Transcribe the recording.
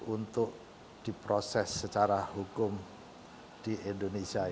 untuk diproses secara hukum di indonesia